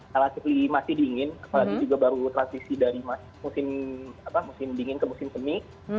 relatifly masih dingin apalagi juga baru transisi dari musim dingin ke musim semi